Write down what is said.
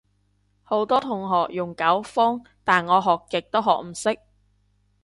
好多同學用九方，但我學極都學唔識